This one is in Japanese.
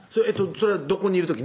それはどこにいる時？